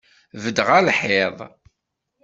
Bedd ɣer lḥiḍ!